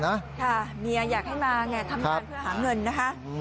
ค่ะเมียอยากให้มาไงทำงานเพื่อหาเงินนะคะ